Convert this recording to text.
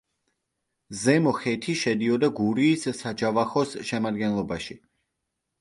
ზემო ხეთი შედიოდა გურიის საჯავახოს შემადგენლობაში.